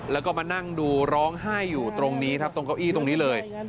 แล้วก็มานั่งดูร้องไห้อยู่ตรงนี้ครับตรงเก้าอี้ตรงนี้เลย